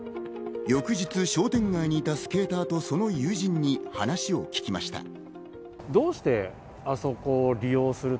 翌日、商店街にいたスケーターと、その友人に話を聞きました。